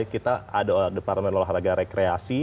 kita ada departemen olahraga rekreasi